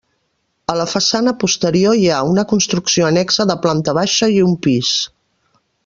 A la façana posterior hi ha una construcció annexa de planta baixa i un pis.